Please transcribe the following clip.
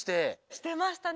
してましたね。